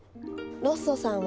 ロッソさん